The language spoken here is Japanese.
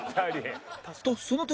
とその時